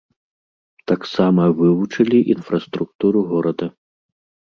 Таксама вывучылі інфраструктуру горада.